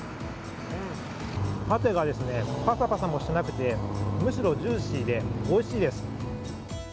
パテがパサパサもしてなくて、むしろジューシーでおいしいです。